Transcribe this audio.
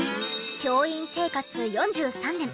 教員生活４３年。